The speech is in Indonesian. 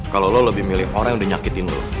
kalo lo lebih milih orang yang dinyakitin lo